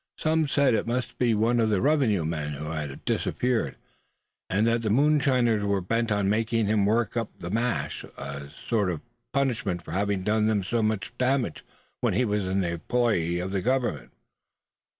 Some said it must be one of the revenue men who had disappeared; and that the moonshiners were bent on making him work up the mash, as a sort of punishment for having done them so much damage when he was in the employ of the Government."